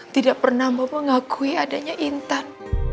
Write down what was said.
tidak pernah mau mengakui adanya intan